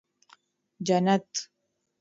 جنت